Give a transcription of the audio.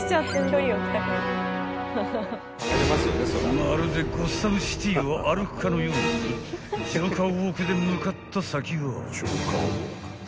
［まるでゴッサム・シティを歩くかのようにジョーカーウオークで向かった先は］